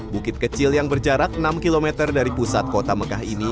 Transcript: bukit kecil yang berjarak enam km dari pusat kota mekah ini